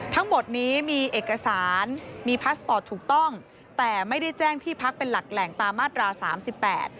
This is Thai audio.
ทั้งหมดนี้มีเอกสารมีพาสปอร์ตถูกต้องแต่ไม่ได้แจ้งที่พักเป็นหลักแหล่งตามมาตราสามสิบแปด